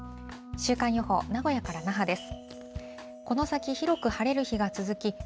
週間予報、名古屋から那覇です。